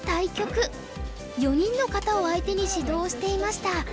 ４人の方を相手に指導をしていました。